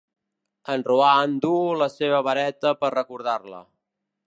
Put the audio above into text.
En Roan duu la seva vareta per recordar-la.